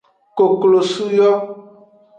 Koklosu yo.